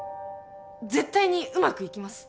絶対にうまくいきます。